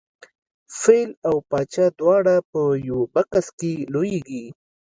فیل او پاچا دواړه په یوه بکس کې لویږي.